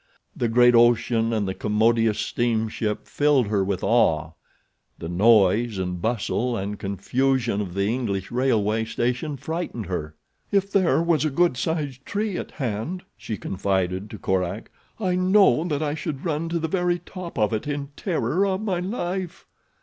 The great ocean and the commodious steamship filled her with awe. The noise, and bustle and confusion of the English railway station frightened her. "If there was a good sized tree at hand," she confided to Korak, "I know that I should run to the very top of it in terror of my life."